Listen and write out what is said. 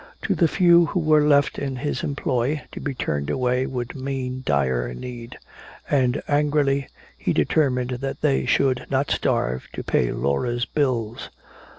To the few who were left in his employ, to be turned away would mean dire need. And angrily he determined that they should not starve to pay Laura's bills.